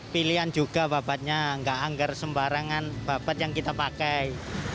pilihan juga babatnya nggak anggar sembarangan babat yang kita pakai